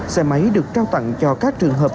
xe máy được trao tặng cho các trường hợp